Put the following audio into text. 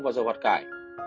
và dầu hoạt cải